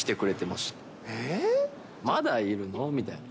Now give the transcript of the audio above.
まだいるの？みたいな。